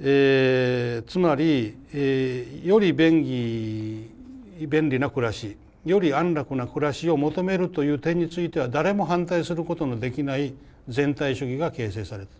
つまりより便利な暮らしより安楽な暮らしを求めるという点については誰も反対することのできない全体主義が形成された。